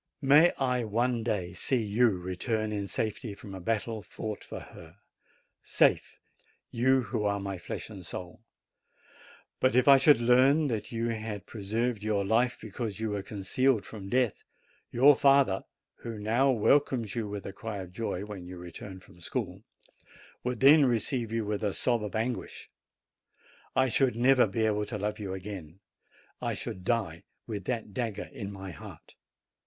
May I one day see you return in safety from a battle fought for her; safe, you who are my flesh and soul. But if I should learn that you had preserved your life because you were concealed from death, your father, who now welcomes you with a cry of joy when you return from school, would then receive you with a sob of anguish. I .should never be able to love you again. I should die with that dagger in my heart.